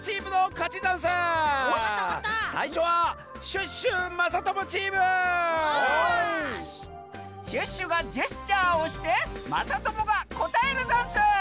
シュッシュがジェスチャーをしてまさともがこたえるざんす！